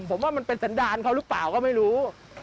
ผมว่ามันเป็นสันดาลเขาหรือเปล่าก็ไม่รู้